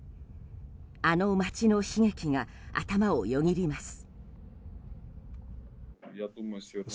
あの街の悲劇が頭をよぎります。